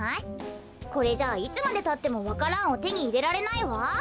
これじゃいつまでたってもわか蘭をてにいれられないわ。